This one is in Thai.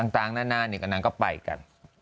ต่างนานกับนางก็ไปกัน